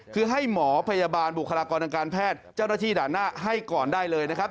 คือให้หมอพยาบาลบุคลากรทางการแพทย์เจ้าหน้าที่ด่านหน้าให้ก่อนได้เลยนะครับ